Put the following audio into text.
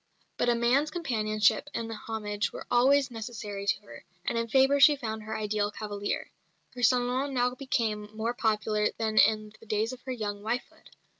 But a man's companionship and homage were always necessary to her, and in Fabre she found her ideal cavalier. Her salon now became more popular even than in the days of her young wifehood.